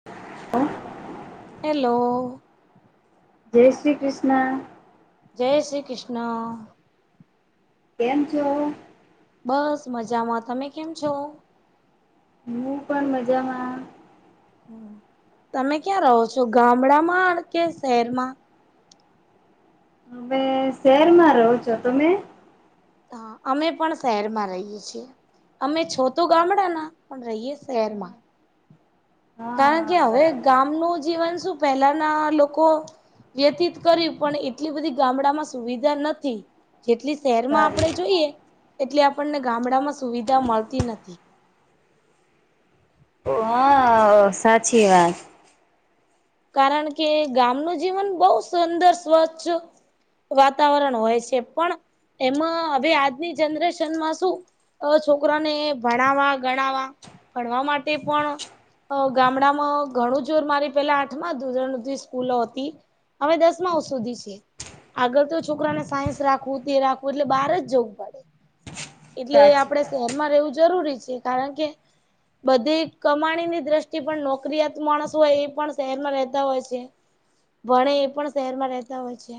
[unintelligible] Hello જય શ્રી કૃષ્ન જય શ્રી કૃષ્ન કેમ છો? બસ મજામાં, તમે કેમ છો? હું પણ મજામાં. તમે ક્યાં રહો છો? ગામડામાં કે શહેરમાં? અમે શહેરમાં રહો છો. તમે? હા, અમે પણ શહેરમાં રહીએ છીએ. અમે છો તો ગામડાના પણ રહીએ શહેરમાં કારણ હા કે, હવે બરાબર ગામનું જીવન શું પહેલાના લોકો વ્યતીત કર્યું પણ એટલી બધી ગામડામાં સુવિધા નતી. જેટલી શહેરમાં સારી આપણે જોઈએ એટલી આપણને ગામડામાં સુવિધા મળતી નથી. અ હા અ સાચી વાત. કારણ કે, ગામનું જીવન બહુ સુંદર, સ્વચ્છ વાતાવરણ હોય છે પણ એમાં હવે આજની જનરેશનમાં શું હવે છોકરાને ભણાવવા, ગણાવવા ભણવા માટે પણ અ ગામડામાં ઘણું જોર મારી પેલા આ ઠમાં ધોરણથી સ્કૂલો હતી હવે દસમાઓ સુધી છે. આગળ તો છોકરાને સાયન્સ રાખવું તે રાખવું એટલે બહાર જ જવું પડે. એટલે સાચી આપણેે વાત શહેરમાં રહેવું જરૂરી છે. કારણ કે બધી કમાણીની દ્રષ્ટિ પણ નોકરીયાત માણસ હોય એ પણ શહેરમાં રહેતા હોય છે, ભણે એ પણ શહેરમાં રહેતા હોય છે.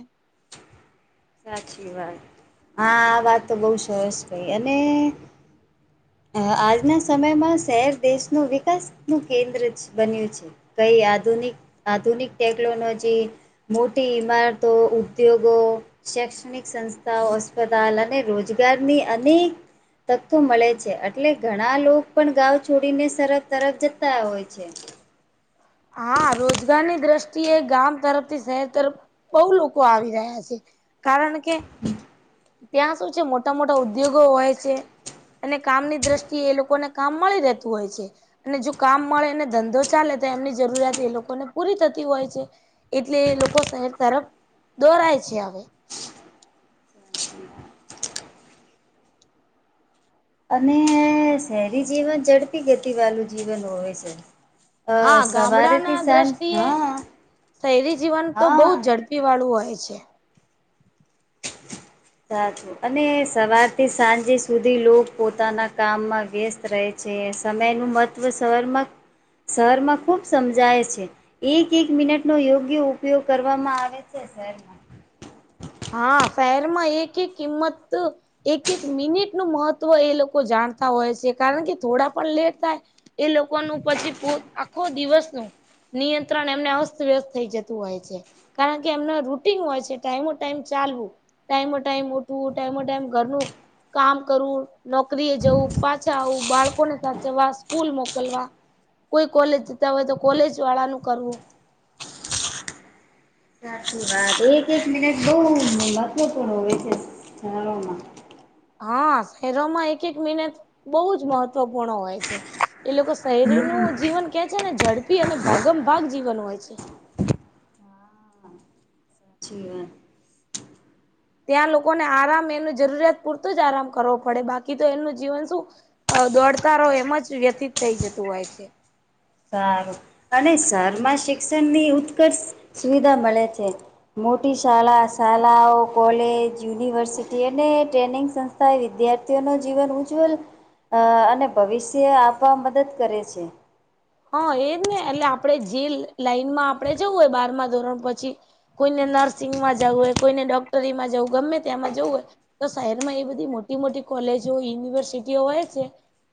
સાચી વાત, આ વાત તો બહુ ભાઈ અને આજના સમયમાં શહેર દેશનું વિકાસનું કેન્દ્ર જ બન્યું છે. આધુનિક ટેકનોલોજી મોટી ઈમારતો, ઉદ્યોગો શૈક્ષણિક સંસ્થાઓ અસ્પતાલ અને અનેક તત્થો એટલે ઘણા લોકો પણ છોડીને, સરફ તરફ જતા હોય છે. હા, રોજગારની દ્રષ્ટિએ ગામ તરફ થી શહેર તરફ બૌ લોકો આવી રહ્યા છે. કારણ કે ત્યાં શું છે? મોટા-મોટા ઉદ્યોગો હોય છે. અને કામની દ્રષ્ટિએ, એ લોકોને કામ મળી રહેતું હોય છે. અને જો કામ મળે ને, ધંધો ચાલે તો, એમની જરૂરિયાત એ લોકોને પૂરી થતી હોય છે. એટલે લોકો શહેર તરફ દોરાય છે હવે. અને શહેરી જીવન વાળું જીવન હોય છે. અ હા, ગામડા સવારેથી ના સાંજ દ્રષ્ટિએ હા શહેરી જીવન તો બહુ હા ઝડપી પીવાળું સા અને સવાર થી સાંજે સુધી લોકો પોતાના કામમાં વ્યસ્ત રહે. જે સમયનું મહત્ત્વ શેરમાં શહેરમાં ખૂબ સમજાય છે. એક મિનટ નો યોગ્ય ઉપયોગ કરવામાં આવે છે. હા, શહેરમાં એક-એક કિંમત એક-એક મિનિટ નું મહત્ત્વ, એ લોકો જાણતા હોય છે, કારણ કે થોડા પણ લેટ થાય. એ લોકો નું પછી આખો દિવસ ન નિયંત્રણ એમને અસ્તવ્યસ્ત થઈ જતું હોય છે, કારણ કે એમના રૂટીન હોય છે, ટાઈમો ટાઈમે ચાલવું, ટાઈમ-ટાઈમ ઉઠવું, ટાઈમો ટાઈમ ઘરનું કામ કરવું. નોકરી એ જવું પાછા આવું, બાળકોને સાચવા સ્કૂલ મોકલવા. કોઈ કોલેજ જતા હોય તો, કોલેજ વાળા નું કરવું. સાચી વાત, એક એક મિનિટ બહુ મહત્વપૂર્ણ હોય છે, જાણવામાં હા, શહેરોમાં એક એક મિનત બહુ જ મહત્વપૂર્ણ હોય છે, એ લોકો શરીરનું જીવન કે છે ને, ઝડપી અને ભાગમ ભાગ જીવન હોય છે. શવા ત્યાં લોકોને આરામ એનું જરૂરિયાત પૂરતો જ આરામ કરવો પડે, બાકી તો એનું જીવન શું? અ દોડતાારો એમ જ વ્યથિત થઈ જતું હોય છે. સારું અને શેરમાં શિક્ષણની ઉત્કર્ષ સુવિધા મળે છે. મોટી શાળા-શાળાઓ કોલેજ યુનિવર્સિટી અને ટ્રેનિંગ વિદ્યાર્થીઓ નું જીવન ઉજ્જ્વલ અ અને ભવિષ્ય આપવા મદદ કરે છે. હા, એજ ને, એટલે આપણે લાઈનમાં આપણે હોય, બારમા ધોરણ પછી. કોઈને નર્સિંગમાં જવું હોય, કોઈને ડોક્ટરીમાં જવું ગમે, ત્યાં માં જવું હોય. તો શહેર માં એ બધી મોટી-મોટી કોલેજો યુનિવર્સિટીઓ હોય છે.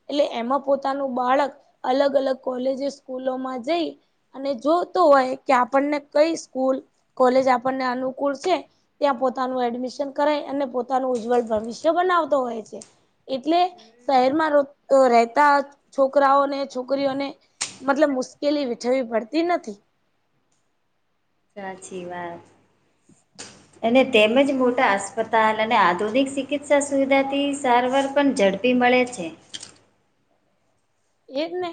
એટલે એમાં પોતાનું બાળક અલગ-અલગ કોલેજ સ્કૂલોમાં જઈ. અને જોતો હોય કે, આપણને કઈ સ્કૂલ કોલેજ આપણને અનુકૂળ છે. ત્યાં પોતાનું એડમિશન કરાય, અને પોતાનું ઉજ્જવલ ભવિષ્ય બનાવતો હોય છે. એટલે શહેરમાં રહેતા, છોકરાઓને, છોકરીઓને મતલબ, મુશ્કેલી વઠવી પડતી નથી. સાચી વાત. હ. અને તેમજ મોટા અસ્પતાલ અને ચિકિત્સા સુવિધાથી પણ ઝડપ મળે છે. એજ ને,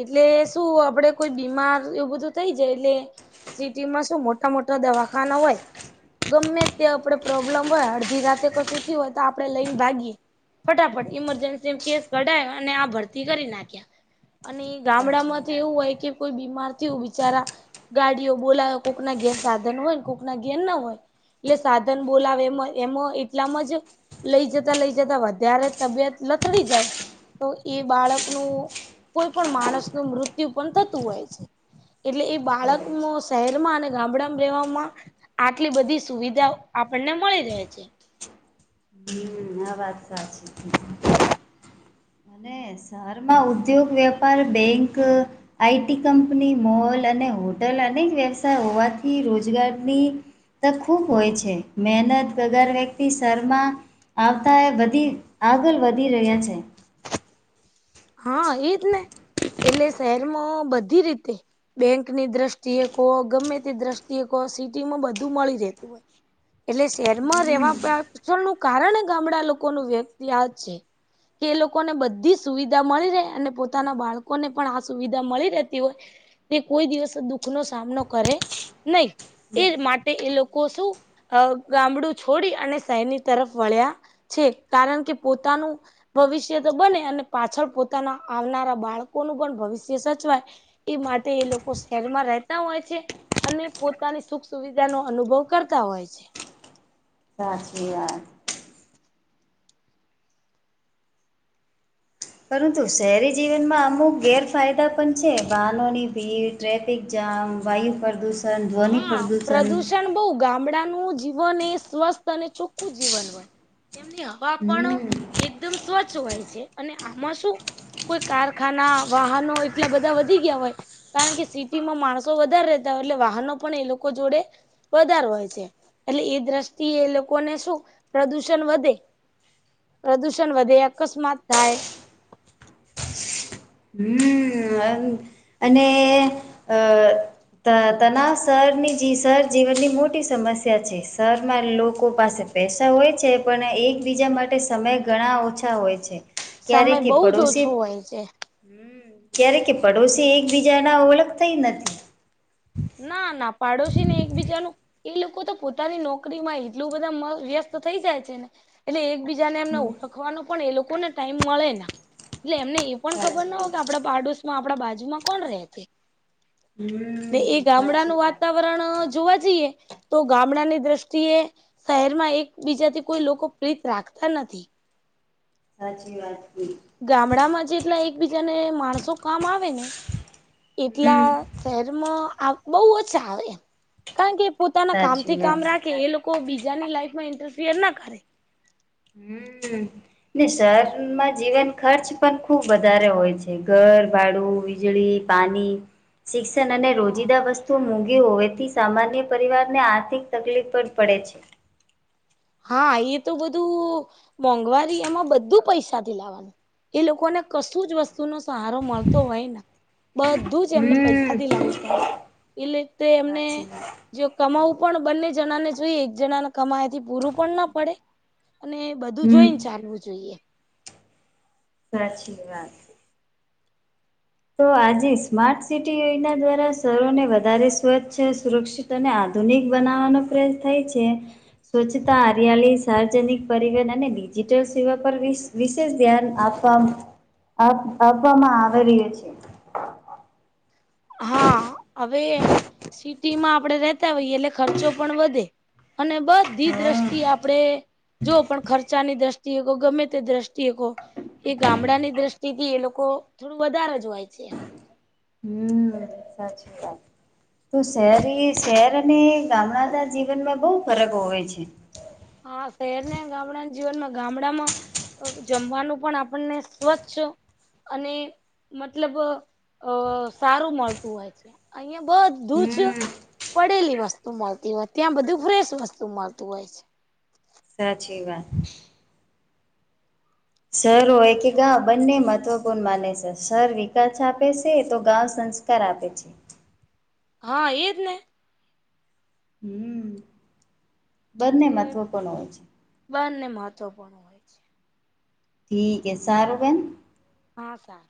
એટલે શું આપડે કોઈ બીમાર એવું બધું થઈ જાય એટલે. સિટી માં શું મોટા-મોટા દવાખાના હોય. ગમે ત્યાં આપડે પ્રોબ્લેમ હોય, અડધી રાતે કશું થી હોય તો, આપડે લઈને ભાગીએ. ફટાફટ ઈમરજન્સી કેસ કઢાયો, અને આ ભરતી કરી નાખ્યા. અને સાચી માંથી વાત એવું હોય કે, કોઈ થયું બિચારા. ગાડીઓ બોલા, કોઈકના ઘેર સાધન હોય ને, કોઈકના ઘેર ના હોય. એટલે સાધન બોલાવે, એમાં એમાં એટલામ જ. લઈ જતા, લઈ જતા વધારે, તબિયત લથડી જાય તો. એ બાળકનું કોઈ પણ માણસ નું મૃત્યુ પણ થતું હોય છે. એટલે એ હોય છે. બાળકમાં શહેરમાં અને ગામડામાં રહેેવામાં. આટલી બધી સુવિધાઓ આપણને મળી રહે છે. [unintelligible] એ વાત સાચી છે. શહેર માં ઉદ્યોગ, વેપાર, બેંક આઈટી કંપની, મોલ અને હોટલ અનેક વ્યવસાય હોવાથી રોજગારની તો ખૂબ હોય છે, મહેનત વગર વ્યક્તિ શેરમાં આવતા, એ વધી આગળ વધી રહ્યા છે. હા, એજ ને, એટલે શહેરમાં બધી રીતે. બેંકની દ્રષ્ટિએ કહો, ગમે તે દ્રષ્ટિએ કોહો, સિટી માં બધું મળી રહે. એટલે શહેરમાં રહેવા પાછળ નું કારણ ગામડા લોકોનું વ્યક્ત છે. એ લોકો ને બધી સુવિધા મળી રહે, અને પોતાના બાળકો ને પણ આ સુવિધા મળી રહેતી હોય. તે કોઈ દિવસ દુઃખ નો સામનો કરે નહી. એ માટે એ લોકો શું ગામડું છોડી, અને શહેરની તરફ વળ્યા. છે. કારણ કે, પોતાનું ભવિષ્ય તો બને અને પાછળ પોતાના આવનારા બાળકોનું પણ ભવિષ્ય સચવાય. એ માટે એ લોકો શહેરમાં રહેતા હોય છે. અને પોતાની સુખ સુવિધા નો અનુભવ કરતા હોય છે. સાચી વાત. પરંતુ શહેરી જીવનમાં અમુક ગેરફાયદા પણ છે, વાહનોની ભીડ. જામ, વાયુ. ધ્વનિ હા, પ્રદૂષણ પ્રદુષણ બહુ, ગામડાનું સ્વસ્થ અને ચોખ્ખું જીવન હોય, એની હવા પણ હમ એકદમ હોય છે, અને આમાં કોઈ કારખાના, વાહનો એટલા બધા વધી ગયા હોય. કારણ કે, સિટી માં માણસો વધારે રહેતા હોય, એટલે વાહનો પણ એ લોકો જોડે. વધાર હોય છે, એટલે એ દ્રષ્ટિએ એ લોકોને શું પ્રદુષણ વધે. પ્રદુષણ વધે, અકસ્માત થાય. હમ, અને ત તના શહેરની જ સરર જીવનની મોટી સમસ્યા છે, શરમાં લોકો પાસે. પૈસા હોય, પણ માટે સમય ઘણા ઓછા હોય છે. ક્યારે કે પડોશી. હોઈ છે. ક્યારે કે, પડોશી એકબીજા ના ઓળખ થઈ નથી. ના, ના પાડોશી ને એક બીજા નું એ લોકો તો પોતાની નોકરીમાં એટલું બધા વ્યસ્ત થઈ જાય છે. એટલે એકબીજા ને, એમને ઓળખવાનો પણ એ લોકોને ટાઈમ મળેને. એટલે એમને એ પણ ખબર સાચી ના હોય કે, વાત આપડા પાડોશ માં આપડા બાજુમાં કોણ રહે છે. હમ, સાચી વાત. વાવરણ જોવા જઈએ. તો ગામડાની દ્રષ્ટિએ શહેર માં એકબીજાથી કોઈ લોકો પ્રીત રાખતા નથી. સાચી વાત છે. ગામડામાં જેટલા એકબીજાને માણસો કામ આવે ને હમ એટલા શહેરમાં બહુ ઓછા આવે, કારણ કે પોતાના સાચી કામથી વાત કામ રાખે એ લોકો. કોઈ બીજાની લાઈફમાં ઇન્ટરફિયર ના કરે. હમ. ને શરમાં જીવન ખર્ચ પણ ખુબ વધારે હોય છે, ઘર ભાડું, વીજળી પાની શિક્ષણ અને હા. રોજીદા વસ્તુ. મોંધી હોવેથી સામાન્ય પરિવાર ને, આર્થિક તકલીફ પણ પડે છે. હા, એ તો બધું મોંઘવારી એમાં બધું પૈસા થી લાવવાનું. એ લોકોને કશું જ વસ્તુનો સહારો મળતો હોય ને. બધું જ એમને હમ પૈસાથી લાવું પડે, એટલે તે એમને સાચી વાત જો કમાવું પણ બંને જણાને જોઈએ, એક જણાને કમાયથી. પૂરું પણ ના પડે, અને બધું હમ જોઈને ચાલવું જોઈએ. [unintelligible] તો આજે સ્માર્ટ સિટી યોજના દ્વારા શરોને વધારે સ્વચ્છ, સુરક્ષિત તને આધુનિક બનાવવાનો પ્રયસ થાય છે. સ્વચ્છતા, હરિયાળી, સાર્વજનિક પરિવહન અને ડિજિટલ સેવા પર વિસ વિશેષ ધ્યાન આપવા આપ આપવામાં આવે રહ્યું છે. હા, હવે સિટીમાં આપણેે રેતા હોઈએ, એટલે ખર્ચો પણ વધે. અને બધી હા. દ્રષ્ટિ આપડે જો પણ ખર્ચાની દ્રષ્ટિએ ગમે તે દ્રષ્ટિએ કો એ ગામડા ની દ્રષ્ટિથી એ લોકો થોડું વધારે જ હોય છે. હમ્મ, સાચી વાત. તો શહેરી-શહેર અને ગામડાના જીવનમાં બહુ ફરક હોય છે. હા, શહેર ને ગામડાના જીવનમાં ગામડામાં. જમવાનું પણ આપણને સ્વચ્છ અને મતલબ અ સારું મળતું હોય છે, અહિયાં બ બું જ હમ્મ, પડેલી વસ્તુ મળતી હોય, ત્યાં બધું ફ્રેશ વસ્તુ મળતું હોય છે. સાચી વાત. સર હોય કે, ગા બંને મહત્વપૂર્ણ માને છે, સર વિકાસ આપે છે, તો ગાં સ કરી આપે છે. હા, એજ ને. હમ, બધાને મહત્વપૂર્ણ હોય છે. બંધા ને મહત્વપૂર્ણ. હોય છે. ઠીક સારબન. હા સાર